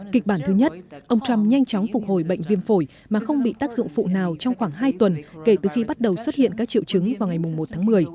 kịch bản thứ nhất ông trump nhanh chóng phục hồi bệnh viêm phổi mà không bị tác dụng phụ nào trong khoảng hai tuần kể từ khi bắt đầu xuất hiện các triệu chứng vào ngày một tháng một mươi